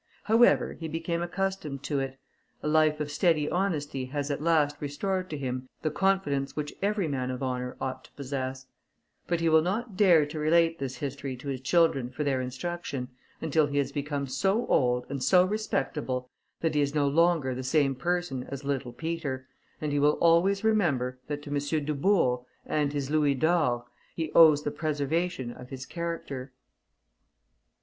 However, he became accustomed to it: a life of steady honesty has at last restored to him the confidence which every man of honour ought to possess; but he will not dare to relate this history to his children for their instruction, until he has become so old, and so respectable, that he is no longer the same person as little Peter, and he will always remember, that to M. Dubourg, and his louis d'or, he owes the preservation of his character.